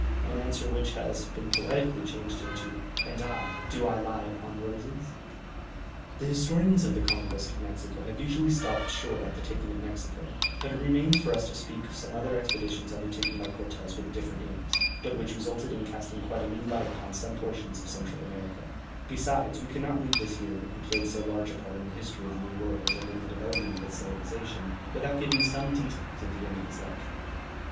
an answer which has been poetically changed into, "And I, do I lie upon roses?" [Illustration: The Spaniards stir the fire burning below the gridiron.] The historians of the conquest of Mexico have usually stopped short at the taking of Mexico, but it remains for us to speak of some other expeditions undertaken by Cortès with different aims, but which resulted in casting quite a new light upon some portions of Central America; besides we could not leave this hero, who played so large a part in the history of the New World and in the development of its civilization, without giving some details of the end of his life.